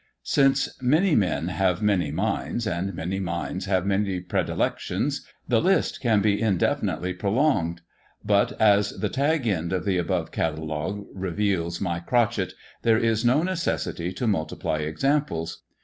Since many men have many minds, and many minds have many predilections, the list can be indefinitely pro longed ; but as the tag end of the above catalogue reveals my crotchet there is no necessity to multiply examples.